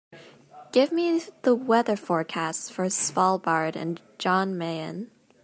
Give me the weather forecast for Svalbard and Jan Mayen